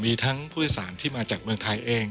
มีทั้งผู้โดยสารที่มาจากเมืองไทยเอง